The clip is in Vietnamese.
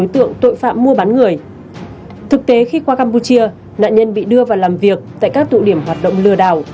thực tế khi qua campuchia nạn nhân bị đưa vào làm việc tại các tụ điểm hoạt động lừa đảo